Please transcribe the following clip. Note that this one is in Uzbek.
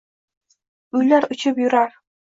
uylar uchib yurar